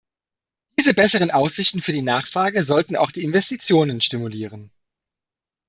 Diese besseren Aussichten für die Nachfrage sollten auch die Investitionen stimulieren.